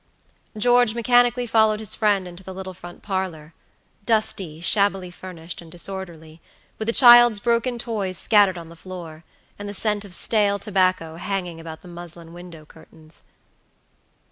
George mechanically followed his friend into the little front parlordusty, shabbily furnished, and disorderly, with a child's broken toys scattered on the floor, and the scent of stale tobacco hanging about the muslin window curtains.